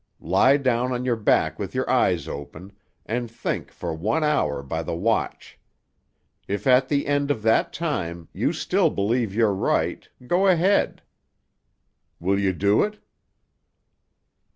Lie down on your back with your eyes open, and think for one hour by the watch. If at the end of that time, you still believe you're right, go ahead. Will you do it?"